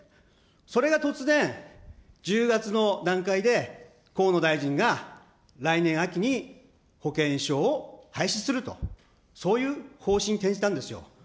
それが突然、１０月の段階で、河野大臣が来年秋に保険証を廃止すると、そういう方針に転じたんですよ。